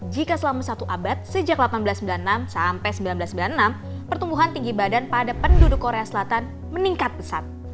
jika selama satu abad sejak seribu delapan ratus sembilan puluh enam sampai seribu sembilan ratus sembilan puluh enam pertumbuhan tinggi badan pada penduduk korea selatan meningkat pesat